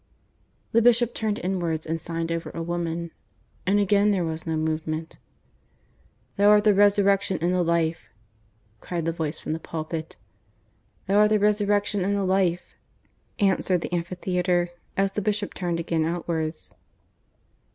The bishop turned inwards and signed over a woman, and again there was no movement. "Thou art the Resurrection and the Life," cried the voice from the pulpit. "Thou art the Resurrection and the Life," answered the amphitheatre, as the bishop turned again outwards.